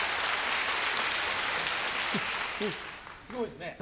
すごいですね